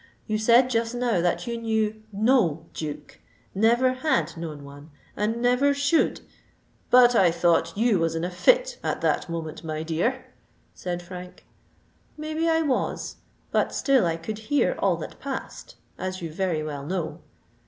"You said just now that you knew no Duke—never had known one—and never should——" "But I thought you was in a fit at that moment, my dear?" said Frank. "Maybe I was—but still I could hear all that passed, as you very well know.